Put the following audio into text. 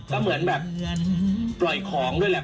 ก็เหมือนแบบปล่อยของด้วยแหละ